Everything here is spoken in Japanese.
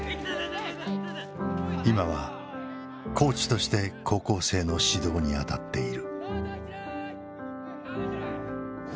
今はコーチとして高校生の指導にあたっている。